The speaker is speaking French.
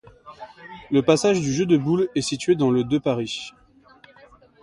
Le passage du Jeu-de-Boules est situé dans le de Paris.